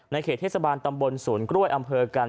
เขตเทศบาลตำบลศูนย์กล้วยอำเภอกัน